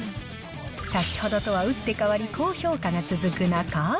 先ほどとは打って変わり、高評価が続く中。